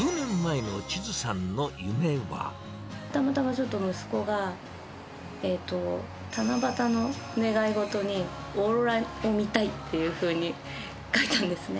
たまたまちょっと息子が、七夕の願い事に、オーロラを見たいっていうふうに書いたんですね。